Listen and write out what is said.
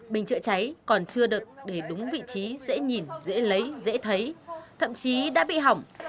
bình chữa cháy còn chưa được để đúng vị trí dễ nhìn dễ lấy dễ thấy thậm chí đã bị hỏng